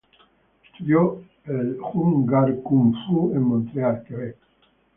Estudió el Hung-Gar Kung Fu en Montreal, Quebec.